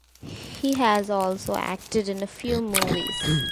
He has also acted in a few movies.